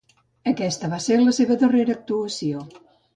Aquesta va ser la seva darrera actuació.